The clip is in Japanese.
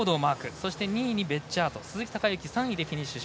そして２位にベッジャート鈴木孝幸、３位でフィニッシュ。